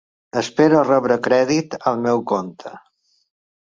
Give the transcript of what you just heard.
Espero rebre crèdit al meu compte.